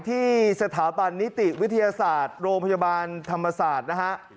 ที่สถาบันนิติวิทยาศาสตร์โรงพยาบาลธรรมศาสตร์นะฮะ